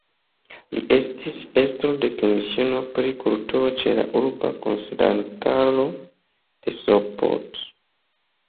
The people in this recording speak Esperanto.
Li estis estro de Komisiono pri Kulturo ĉe la Urba Konsilantaro de Sopot.